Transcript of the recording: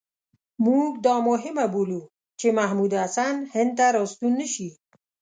موږ دا مهمه بولو چې محمود الحسن هند ته را ستون نه شي.